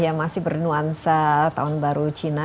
yang masih bernuansa tahun baru cina